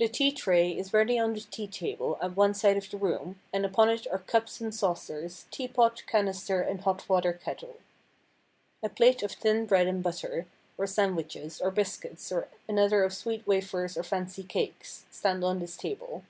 The tea tray is ready on the tea table at one side of the room, and upon it are cups and saucers, teapot, canister and hot water kettle. A plate of thin bread and butter, or sandwiches, or biscuits, and another of sweet wafers or fancy cakes, stand on this table.